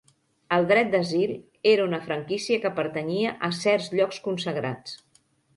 El dret d'asil era una franquícia que pertanyia a certs llocs consagrats.